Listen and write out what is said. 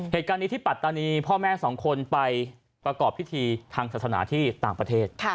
เหตุการณ์นี้ที่ปัตตานีพ่อแม่สองคนไปประกอบพิธีทางศาสนาที่ต่างประเทศ